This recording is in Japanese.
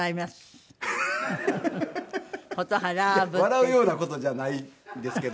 笑うような事じゃないんですけど。